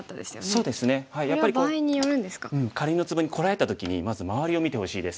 かりんのツボにこられた時にまず周りを見てほしいです。